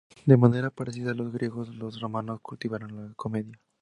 De manera parecida a los griegos, los romanos cultivaron la comedia.